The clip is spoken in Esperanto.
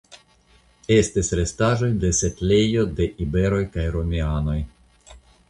Estis restaĵoj de setlejo de iberoj kaj romianoj.